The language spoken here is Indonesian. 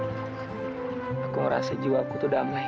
aku ngerasa jiwaku itu damai